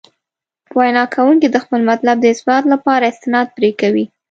وینا کوونکي د خپل مطلب د اثبات لپاره استناد پرې کوي.